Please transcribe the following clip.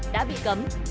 đã bị cấm